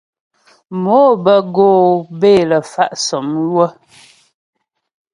Mò bə́ go'o bə́ é lə fa' sɔ́mywə.